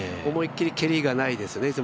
思いっきり蹴りがないですね